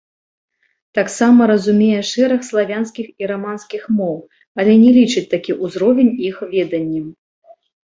Таксама разумее шэраг славянскіх і раманскіх моў, але не лічыць такі ўзровень іх веданнем.